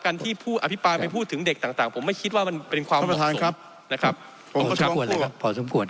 การที่ผู้อภิปรายไปพูดถึงเด็กต่างผมไม่คิดว่ามันเป็นความเหมาะสม